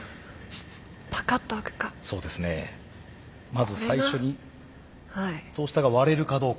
まず最初にトースターが割れるかどうか。